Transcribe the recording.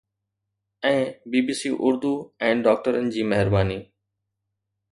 ۽ B B C Urdu ۽ ڊاڪٽرن جي مهرباني